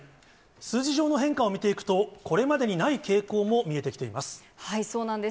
数字上の変化を見ていくと、これまでにない傾向も見えてきています。